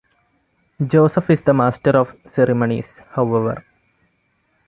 Joseph is the Master of Ceremonies, however.